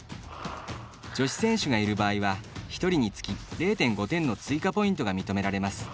女子選手がいる場合は１人につき０．５点の追加ポイントが認められます。